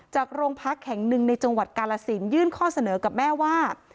โรงพักแห่งหนึ่งในจังหวัดกาลสินยื่นข้อเสนอกับแม่ว่า